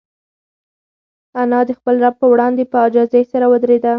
انا د خپل رب په وړاندې په عاجزۍ سره ودرېده.